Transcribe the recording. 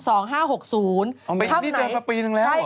ออกไปอีกนิดเดือนสักปีนึงแล้วเหรอ